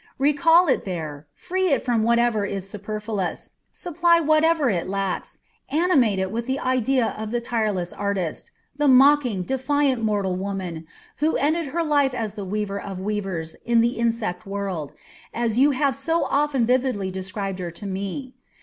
Recall it there, free it from whatever is superfluous, supply whatever it lacks, animate it with the idea of the tireless artist, the mocking, defiant mortal woman who ended her life as the weaver of weavers in the insect world, as you have so often vividly described her to me.